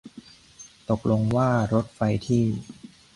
ตกลงว่ารถไฟที่